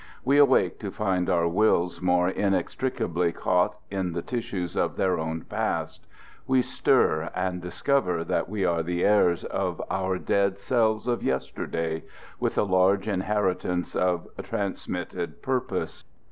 We awake to find our wills more inextricably caught in the tissues of their own past; we stir, and discover that we are the heirs to our dead selves of yesterday, with a larger inheritance of transmitted purpose.